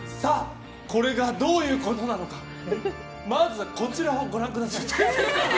これがどういうことなのかまずこちらをご覧ください。